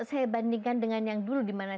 saya bandingkan dengan yang dulu dimana